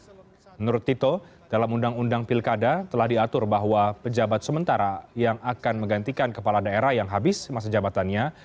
menurut tito dalam undang undang pilkada telah diatur bahwa pejabat sementara yang akan menggantikan kepala daerah yang habis masa jabatannya